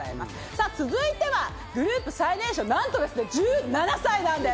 さぁ続いては、グループ最年少、なんと１７歳なんです。